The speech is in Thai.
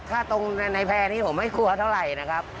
ถ้าตรงในแพร่นี้ผมไม่กลัวเท่าไหร่นะครับ